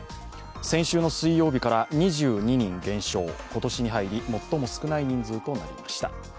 先週の水曜日から２２人減少、今年に入り最も少ない人数となりました。